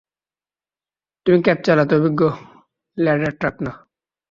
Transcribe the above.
তুমি ক্যাব চালাতে অভিজ্ঞ, ল্যাডার ট্রাক না।